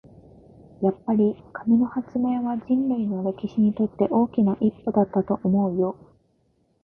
やっぱり、紙の発明は人類の歴史にとって大きな一歩だったと思うよ。